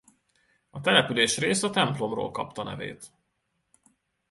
A településrész a templomról kapta nevét.